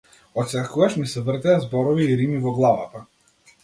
Отсекогаш ми се вртеа зборови и рими во главата.